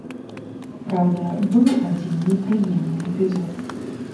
Праўда, быў адзін непрыемны эпізод.